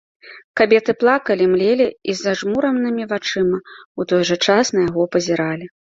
Кабеты плакалі, млелі і зажмуранымі вачыма ў той жа час на яго пазіралі.